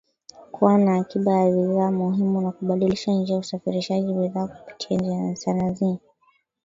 kuwa na akiba ya bidhaa muhimu na kubadilisha njia usafarishaji bidhaa kupitia Tanzania .